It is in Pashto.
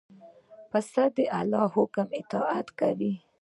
پسه د الله د حکم اطاعت کوي.